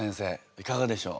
いかがでしょう？